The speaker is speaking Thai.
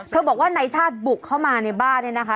เขาบอกว่านายชาตย์บุกเข้ามาในบ้านเลยนะคะ